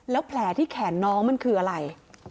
แล้วแผลที่แขนน้องมันคืออะไร